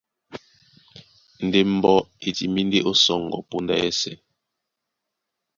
Ndé mbɔ́ e timbí ndé ó sɔŋgɔ póndá yɛ́sɛ̄.